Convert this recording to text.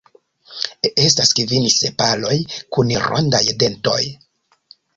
Estas kvin sepaloj kun rondaj dentoj.